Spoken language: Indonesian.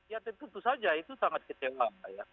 ya tentu saja itu sangat kecewa ya